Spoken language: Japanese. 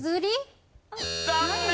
残念。